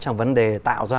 trong vấn đề tạo ra